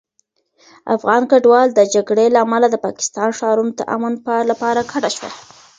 افغان کډوال د جګړې له امله د پاکستان ښارونو ته امن لپاره کډه شول.